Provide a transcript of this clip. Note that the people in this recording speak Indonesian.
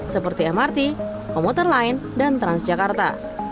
seperti mrt komuter lain dan transjakarta